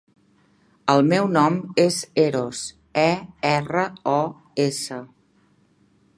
El meu nom és Eros: e, erra, o, essa.